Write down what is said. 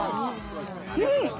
うん！